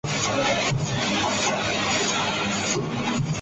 আমি বলরামের উপর খুব বিরক্ত হলাম।